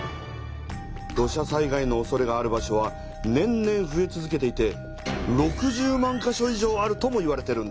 土砂災害のおそれがある場所は年々ふえ続けていて６０万か所以上あるともいわれてるんだ。